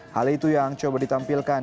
hal itu yang coba ditampilkan